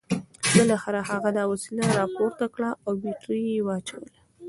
بالاخره هغه دا وسیله راپورته کړه او بیټرۍ یې واچولې